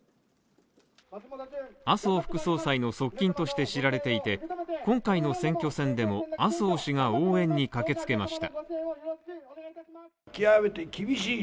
麻生副総裁の側近として知られていて、今回の選挙戦でも麻生氏が応援に駆けつけました。